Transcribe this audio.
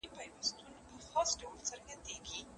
چي کسات د ملالیو راته واخلي